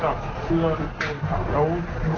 เพราะเสื้อมันบางเอากระเป๋ามาบัง